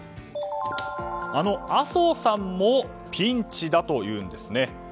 あの麻生さんもピンチだというんですね。